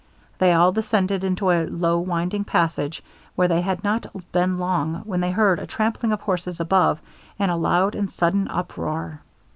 They all descended into a low winding passage, where they had not been long, when they heard a trampling of horses above, and a loud and sudden uproar.